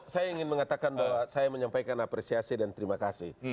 saya ingin mengatakan bahwa saya menyampaikan apresiasi dan terima kasih